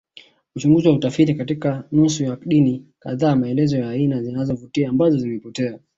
Uchunguzi wa utafiti katika nusu ya dini kadhaa maelezo ya aina zinazovutia ambazo zimepotea